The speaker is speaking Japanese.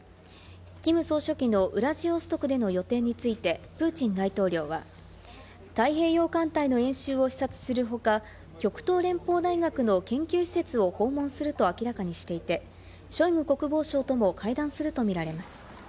キム総書記のウラジオストクでの予定について、プーチン大統領は太平洋艦隊の演習を視察する他、極東連邦大学の研究施設を訪問すると明らかにしていて、ショイグ国防相とも会談するとみられます。